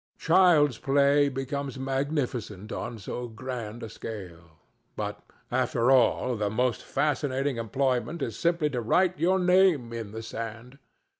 Child's play becomes magnificent on so grand a scale. But, after all, the most fascinating employment is simply to write your name in the sand.